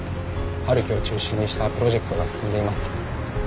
陽樹を中心にしたプロジェクトが進んでいます。